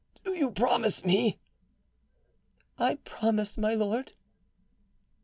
Do you promise me?" "I promise, my lord."